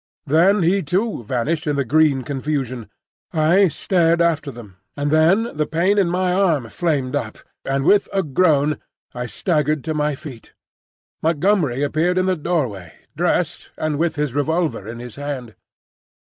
Then he too vanished in the green confusion. I stared after them, and then the pain in my arm flamed up, and with a groan I staggered to my feet. Montgomery appeared in the doorway, dressed, and with his revolver in his hand.